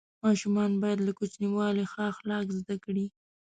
ماشوم باید له کوچنیوالي ښه اخلاق زده کړي.